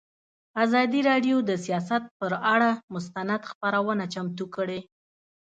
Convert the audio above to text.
ازادي راډیو د سیاست پر اړه مستند خپرونه چمتو کړې.